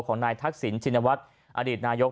ของนายทักษิณชินวัฒน์อดีตนายก